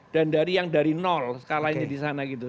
dan dari yang dari skalanya di sana gitu